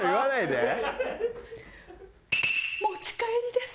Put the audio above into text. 持ち帰りです！